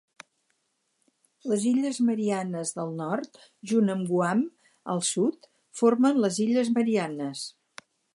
Les illes Mariannes del nord junt amb Guam al sud formen les illes Mariannes.